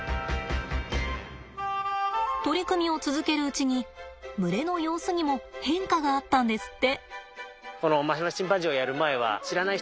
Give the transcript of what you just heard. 取り組みを続けるうちに群れの様子にも変化があったんですって。